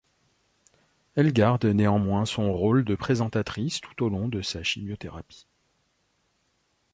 Elle garde néanmoins son rôle de présentatrice tout au long de sa chimiothérapie.